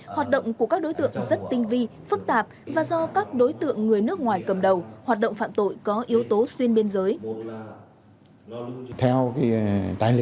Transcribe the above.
hoạt động của các đối tượng rất tinh vi phức tạp và do các đối tượng người nước ngoài cầm đầu hoạt động phạm tội có yếu tố xuyên biên giới